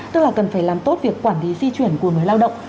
tức là cần phải làm tốt việc quản lý di chuyển của người lao động